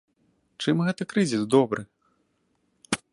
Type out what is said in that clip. Чым гэты крызіс добры?